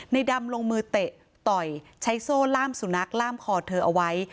ดำลงมือเตะต่อยใช้โซ่ล่ามสุนัขล่ามคอเธอเอาไว้